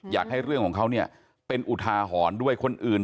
อยากให้เรื่องของเขาเนี่ยเป็นอุทาหรณ์ด้วยคนอื่น